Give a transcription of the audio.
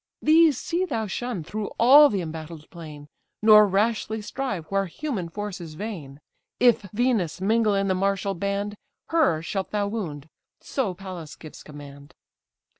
These see thou shun, through all the embattled plain; Nor rashly strive where human force is vain. If Venus mingle in the martial band, Her shalt thou wound: so Pallas gives command."